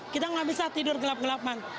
kita nggak bisa tidur gelap gelapan